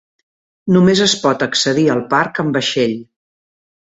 Només es pot accedir al parc en vaixell.